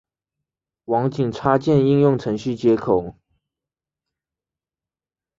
网景插件应用程序接口。